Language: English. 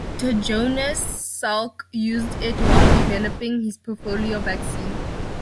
Doctor Jonas Salk used it while developing his polio vaccine.